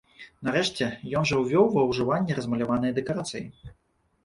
Нарэшце, ён жа ўвёў ва ўжыванне размаляваныя дэкарацыі.